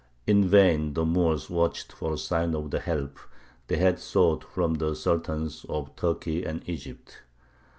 In vain the Moors watched for a sign of the help they had sought from the Sultans of Turkey and Egypt.